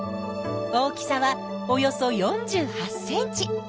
大きさはおよそ４８ｃｍ！